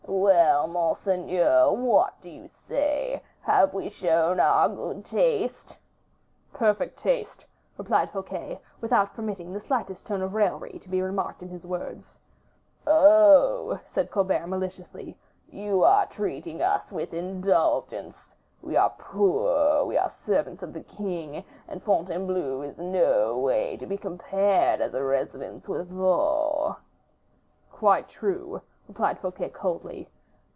"Well, monseigneur, what do your eyes say? Have we shown our good taste?" "Perfect taste," replied Fouquet, without permitting the slightest tone of raillery to be remarked in his words. "Oh!" said Colbert, maliciously, "you are treating us with indulgence. We are poor, we servants of the king, and Fontainebleau is no way to be compared as a residence with Vaux." "Quite true," replied Fouquet coolly.